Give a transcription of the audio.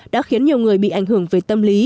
đã khiến nhiều người bị ảnh hưởng về tâm lý